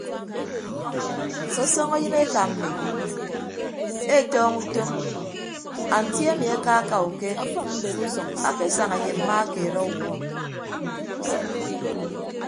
Sọsọñọ yịn eka mmi etọñọ utom anti ami akaaka uke akesaña ye mma keed ọwuọ.